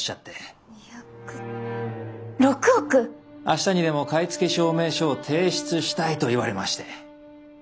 明日にでも買付証明書を提出したいと言われまして。